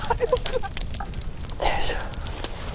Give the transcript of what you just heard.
よいしょ。